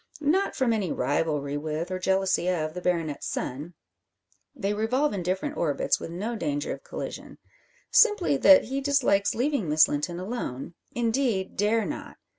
Not from any rivalry with, or jealousy of, the baronet's son: they revolve in different orbits, with no danger of collision. Simply that he dislikes leaving Miss Linton alone indeed, dare not.